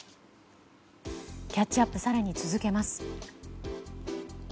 キャッチアップ更に続けます。